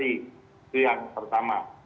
itu yang pertama